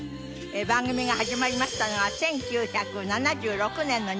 番組が始まりましたのは１９７６年の２月でございます。